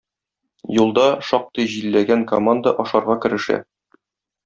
Юлда шактый җилләгән "команда" ашарга керешә.